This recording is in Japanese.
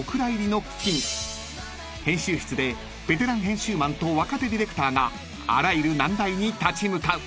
［編集室でベテラン編集マンと若手ディレクターがあらゆる難題に立ち向かう］